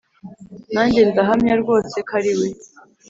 nanjye ndahamya rwose ko ariwe